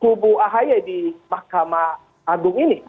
kubu ahy di mahkamah agung ini